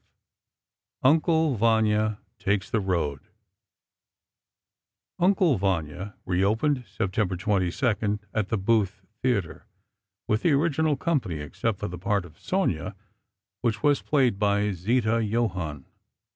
V "UNCLE VANYA" TAKES THE ROAD "Uncle Vanya" reopened September 22, at the Booth Theatre, with the original company, except for the part of Sonia, which was played by Zita Johann.